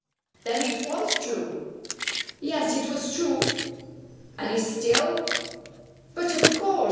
"Then it was true?" "Yes, it was true " "And is still?" "But of course!